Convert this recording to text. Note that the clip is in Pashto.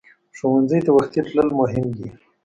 ښوونځی ته وختي تلل مهم دي